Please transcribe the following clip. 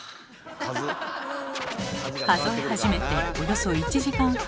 数え始めておよそ１時間半。